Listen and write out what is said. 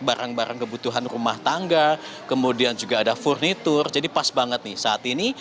barang barang kebutuhan rumah tangga kemudian juga ada furnitur jadi pas banget nih saat ini